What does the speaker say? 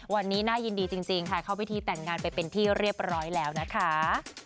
วันนี้น่ายินดีจริงค่ะเข้าพิธีแต่งงานไปเป็นที่เรียบร้อยแล้วนะคะ